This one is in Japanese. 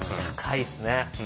高いっすね。